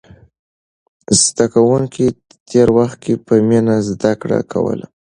زده کوونکي تېر وخت کې په مینه زده کړه کوله.